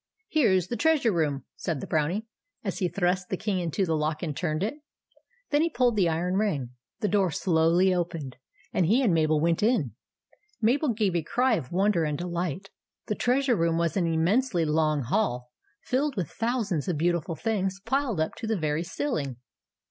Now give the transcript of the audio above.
" Here is the Treasure Room," said the Brownie, as he thrust the key into the lock and turned it. Then he pulled the iron ring ; the door slowly opened ; and he and Mabel went in. Mabel gave a cry of wonder and delight. The Treasure Room was an immensely long hall, filled with thousands of beautiful things piled up to the very ceiling.